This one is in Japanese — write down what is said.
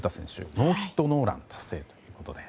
ノーヒットノーラン達成ということで。